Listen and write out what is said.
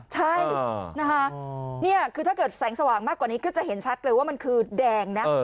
ใช่นะคะนี่คือถ้าเกิดแสงสว่างมากกว่านี้ก็จะเห็นชัดเลยว่ามันคือแดงนะ